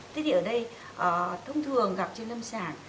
thế thì ở đây thông thường gặp trên lâm sàng